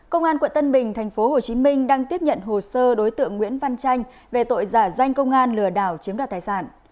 công an quận tân bình tp hcm đang tiếp nhận hồ sơ đối tượng nguyễn văn tranh về tội giả danh công an lừa đảo chiếm đoạt tài sản